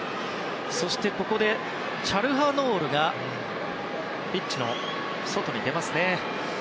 そしてここでチャルハノールがピッチの外に出ます。